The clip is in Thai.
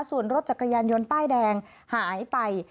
ส่วนรถจักรยานยนต์ป้ายแดงหายไป